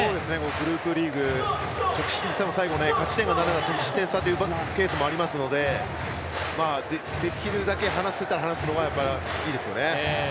グループリーグ得失点差でというケースもありますのでできるだけ離せたら離すのがいいですよね。